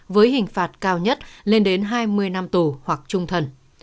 với hình phạt cao nhất lên đến hai mươi năm tù hoặc trung thần